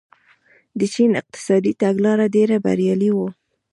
د چین اقتصادي تګلاره ډېره بریالۍ وه.